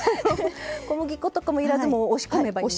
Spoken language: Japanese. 小麦粉とかも要らずもう押し込めばいいのね。